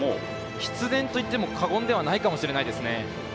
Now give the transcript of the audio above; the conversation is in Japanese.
必然といっても過言ではないかもしれませんね。